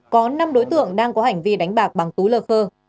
có năm đối tượng đang có hành vi đánh bạc bằng tú lờ khơ